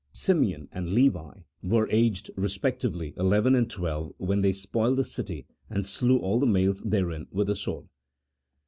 1 Simeon and Levi were aged respectively eleven and twelve when they spoiled the city and slew all the males therein with the sword.